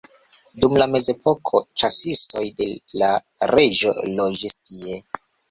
Dum la mezepoko ĉasistoj de la reĝo loĝis tie.